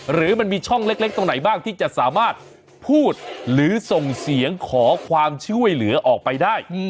หรือมันมีช่องเล็กตรงไหนบ้างที่จะสามารถพูดหรือส่งเสียงขอความช่วยเหลือออกไปได้